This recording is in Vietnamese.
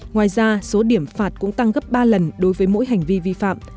ngoài ra số điểm phạt cũng tăng gấp ba lần đối với mỗi hành vi vi phạm